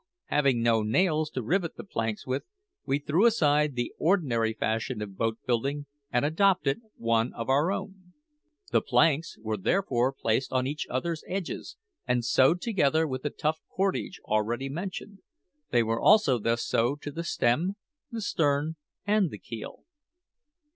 Having no nails to rivet the planks with, we threw aside the ordinary fashion of boat building and adopted one of our own. The planks were therefore placed on each other's edges, and sewed together with the tough cordage already mentioned; they were also thus sewed to the stem, the stern, and the keel.